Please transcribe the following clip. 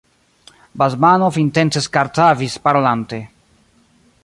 Basmanov intence kartavis parolante.